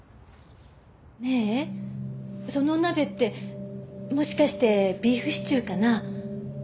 ねえそのお鍋ってもしかしてビーフシチューかな？